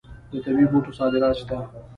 د طبي بوټو صادرات شته.